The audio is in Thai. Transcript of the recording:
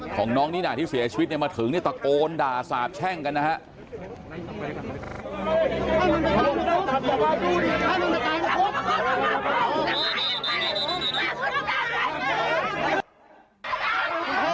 ของน้องนินาที่เสียชีวิตมาถึงตะโกนด่าสาบแช่งกันนะครับ